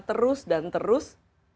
terus dan terus